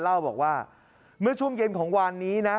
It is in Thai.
เล่าบอกว่าเมื่อช่วงเย็นของวานนี้นะ